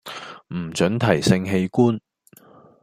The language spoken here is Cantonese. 唔准提性器官